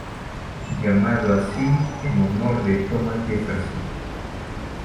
Llamado así en honor de Thomas Jefferson.